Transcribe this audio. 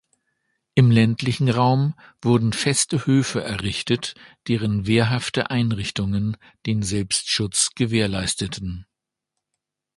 Im ländlichen Raum wurden feste Höfe errichtet, deren wehrhafte Einrichtungen den Selbstschutz gewährleisteten.